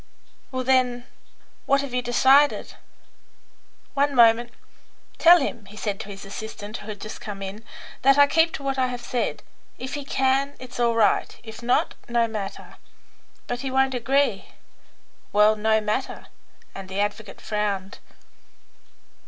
"Well, then, what have you decided?" "One moment. Tell him," he said to his assistant, who had just come in, "that I keep to what I have said. If he can, it's all right; if not, no matter." "But he won't agree." "Well, no matter," and the advocate frowned.